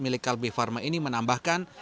milikal bifarma ini menambahkan